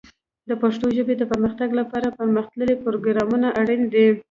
د پښتو ژبې د پرمختګ لپاره پرمختللي پروګرامونه اړین دي.